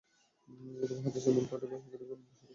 তবে হাদীসের মূল পাঠে বায়হাকীর বর্ণনার সাথে কিছুটা গরমিল রয়েছে।